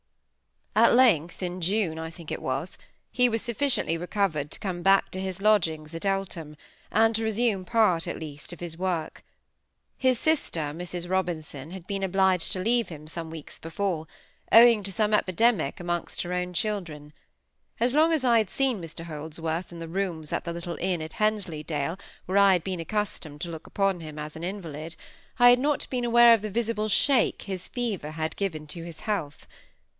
At length, in June I think it was, he was sufficiently recovered to come back to his lodgings at Eltham, and resume part at least of his work. His sister, Mrs Robinson, had been obliged to leave him some weeks before, owing to some epidemic amongst her own children. As long as I had seen Mr Holdsworth in the rooms at the little inn at Hensleydale, where I had been accustomed to look upon him as an invalid, I had not been aware of the visible shake his fever had given to his health.